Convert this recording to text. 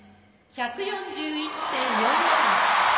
１４１．４４！